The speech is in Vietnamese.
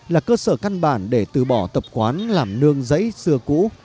là cơ sở căn bản để từ bỏ tập quán làm nương giấy xưa cũ